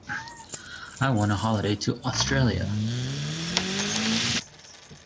I won a holiday to Australia.